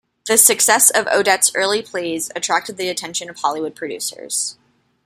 The success of Odets's early plays attracted the attention of Hollywood producers.